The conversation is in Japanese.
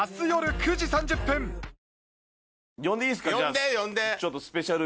呼んで呼んで！